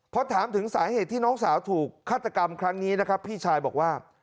พอถามถึงสาเหตุที่น้องสาวถูกฆาตกรรมครั้งนี้นะครับพี่ชายบอกว่า